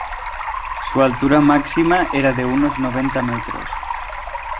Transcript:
Su altura máxima era de unos noventa metros.